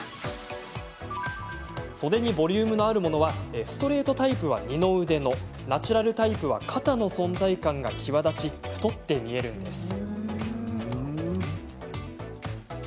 袖にボリュームのあるものはストレートタイプは二の腕のナチュラルタイプは肩の存在感が際立ち、太って見えるんです。